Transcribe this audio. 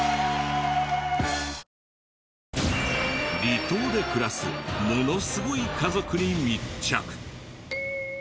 離島で暮らすものすごい家族に密着！